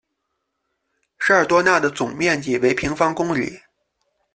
沙尔多讷的总面积为平方公里。